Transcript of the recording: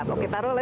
oke taruh lagi